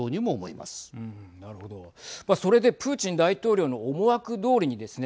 まあそれでプーチン大統領の思惑どおりにですね